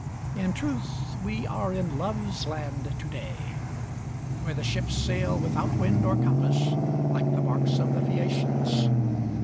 In truth "we are in Love's land to day," where the ships sail without wind or compass, like the barques of the Phaeacians.